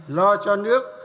lo cho nước